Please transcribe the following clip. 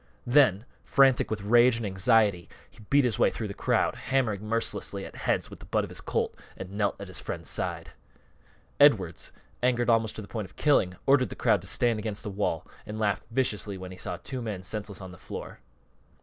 Then, frantic with rage and anxiety, he beat his way through the crowd, hammering mercilessly at heads with the butt of his Colt, and knelt at his friend's side. Edwards, angered almost to the point of killing, ordered the crowd to stand against the wall, and laughed viciously when he saw two men senseless on the floor.